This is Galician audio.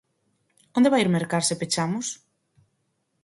Onde vai ir mercar se pechamos?